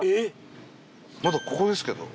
まだここですけど。